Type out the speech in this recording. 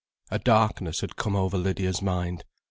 A darkness had come over Lydia's mind.